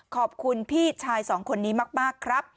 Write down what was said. ขอบคุณพี่ชายสองคนนี้มากครับ